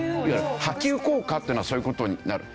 波及効果っていうのはそういう事になる。